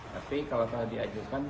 tapi kalau telah diajukan